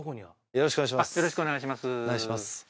よろしくお願いします